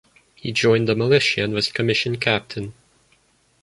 He joined the militia and was commissioned captain.